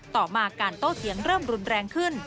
ต่อมาการโต้เถียงเริ่มรุนแรงขึ้น